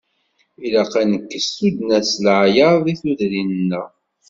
Ilaq ad nekkes tuddna s leɛyaḍ deg tudrin-nneɣ.